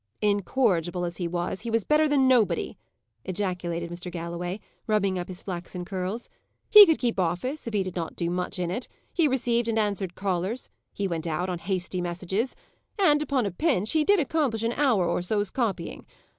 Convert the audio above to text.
"Incorrigible as he was, he was better than nobody," ejaculated Mr. Galloway, rubbing up his flaxen curls. "He could keep office, if he did not do much in it; he received and answered callers; he went out on hasty messages; and, upon a pinch, he did accomplish an hour or so's copying.